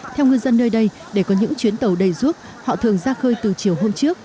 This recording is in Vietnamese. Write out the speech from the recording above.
theo ngư dân nơi đây để có những chuyến tàu đầy ruốc họ thường ra khơi từ chiều hôm trước